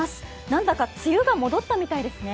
なんだか梅雨が戻ったみたいですね。